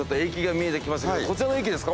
こちらの駅ですか？